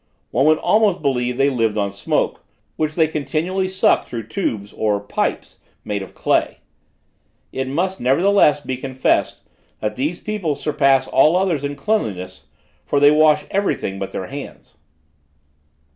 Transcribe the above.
One would almost believe they lived on smoke, which they continually suck through tubes or pipes, made of clay. It must, nevertheless, be confessed, that these people surpass all others in cleanliness; for they wash everything but their hands.